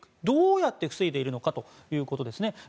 どうやって防いでいるのかということですね。